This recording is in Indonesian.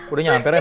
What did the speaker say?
udah nyamper ya